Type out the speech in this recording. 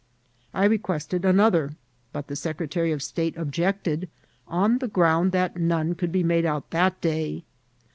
I requested another, but the secretary of state objected, on the ground that none could be made out on that day.